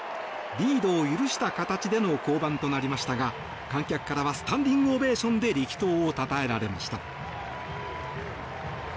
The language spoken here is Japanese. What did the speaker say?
リードを許した形での降板となりましたが観客からはスタンディングオベーションで力投をたたえられました。